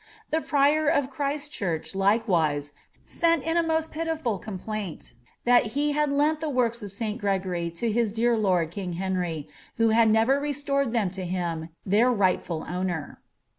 Thf prior of CliriBithurvh. likewise, sent in a moat pitiful euniplninl, thai hi bad lent the works of St. Gregory lo his ilear lord, lujig Henry, wfco lud never restored them to him, tlirir rightful ownpr.